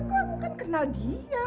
gue bukan kenal dia